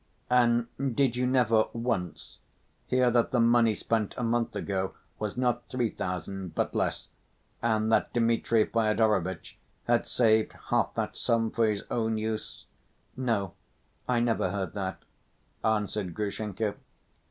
"And did you never, once, hear that the money spent a month ago was not three thousand, but less, and that Dmitri Fyodorovitch had saved half that sum for his own use?" "No, I never heard that," answered Grushenka.